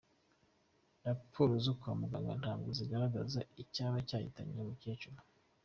Raporo zo kwa muganga ntabwo ziragaragaza icyaba cyahitanye uyu mukecuru.